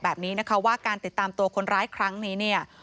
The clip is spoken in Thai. แต่เขาว่าการติดตามตัวคนร้ายครั้งนี้นี้